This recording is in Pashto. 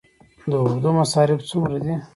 د اردو مصارف څومره دي؟